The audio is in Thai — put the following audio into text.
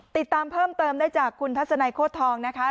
ติดตามเพิ่มเติมได้จากคุณทัศนัยโคตรทองนะคะ